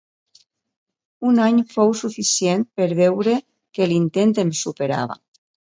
Un any fou suficient per veure que l’intent em superava.